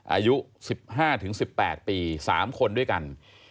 อายุ๑๕๑๘ปี๓คนด้วยกัน